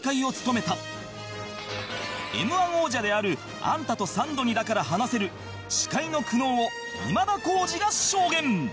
Ｍ−１ 王者であるアンタとサンドにだから話せる司会の苦悩を今田耕司が証言